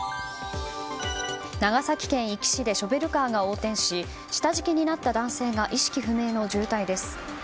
長崎県壱岐市でショベルカーが横転し下敷きになった男性が意識不明の重体です。